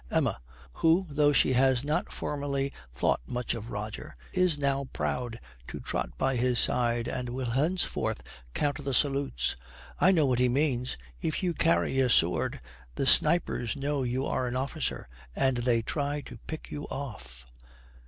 EMMA, who, though she has not formerly thought much of Roger, is now proud to trot by his side and will henceforth count the salutes, 'I know what he means. If you carry a sword the snipers know you are an officer, and they try to pick you off.'